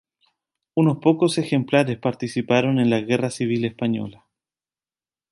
Unos pocos ejemplares participaron en la Guerra Civil Española.